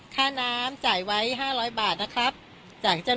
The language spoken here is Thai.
ทางมาทำงาน